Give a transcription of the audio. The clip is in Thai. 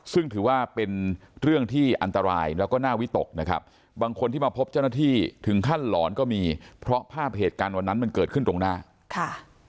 ซึ่งถือว่าเป็นเรื่องที่อันตรายแล้วก็น่าวิตกนะครับบางคนที่มาพบเจ้าหน้าที่ถึงขั้นหลอนก็มีเพราะภาพเหตุการณ์วันนั้นมันเกิดขึ้นตรงหน้าค่ะ